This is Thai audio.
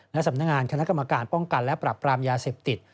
และสำนักงานคณะกรรมการป้องกันและปรับปรามยาเสพติด